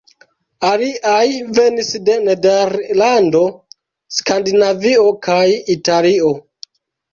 Aliaj venis de Nederlando, Skandinavio kaj Italio.